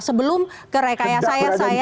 sebelum ke rekayasa saya